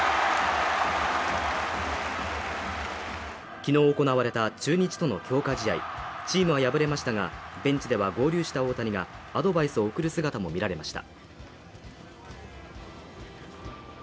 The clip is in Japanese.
昨日行われた中日との強化試合、チームは敗れましたが、ベンチでは合流した大谷がアドバイスを送る姿も見られました。